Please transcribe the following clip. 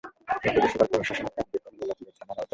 এ পৌরসভার প্রশাসনিক কার্যক্রম গলাচিপা থানার আওতাধীন।